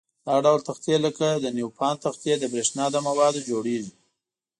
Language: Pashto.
دا ډول تختې لکه د نیوپان تختې د برېښنا له موادو جوړيږي.